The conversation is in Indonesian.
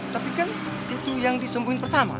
tapi kan itu yang disembuhin pertama